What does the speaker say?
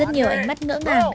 năm trăm linh nghìn đồng